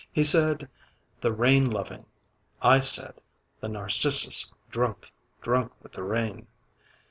He said, "the rain loving," I said, "the narcissus, drunk, drunk with the rain."